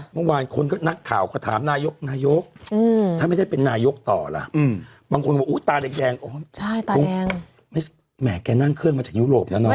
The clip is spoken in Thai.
เมื่อวานคนก็นักข่าวก็ถามนายกนายกถ้าไม่ได้เป็นนายกต่อล่ะบางคนบอกอุ๊ยตาแดงแหมแกนั่งเครื่องมาจากยุโรปแล้วเนอ